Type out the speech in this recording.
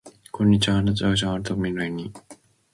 こんにちは赤ちゃんあなたの未来に